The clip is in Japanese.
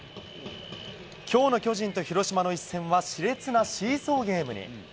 きょうの巨人と広島の一戦は、しれつなシーソーゲームに。